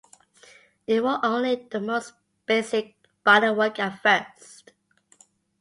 It wore only the most basic bodywork at first.